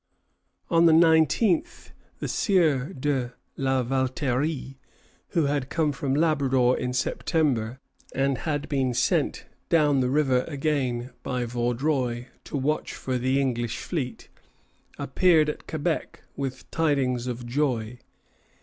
On the nineteenth, the Sieur de la Valterie, who had come from Labrador in September, and had been sent down the river again by Vaudreuil to watch for the English fleet, appeared at Quebec with tidings of joy.